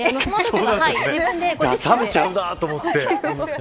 食べちゃうなと思って。